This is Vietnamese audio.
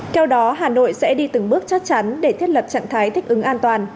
theo đó hà nội sẽ đi từng bước chắc chắn để thiết lập trạng thái thích ứng an toàn